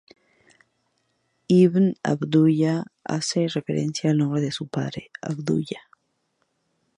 Ibn Abdullah hace referencia al nombre de su padre, Abdullah.